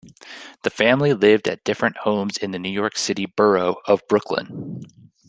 The family lived at different homes in the New York City borough of Brooklyn.